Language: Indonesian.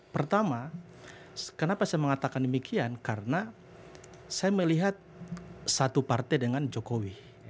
pertama kenapa saya mengatakan demikian karena saya melihat satu partai dengan jokowi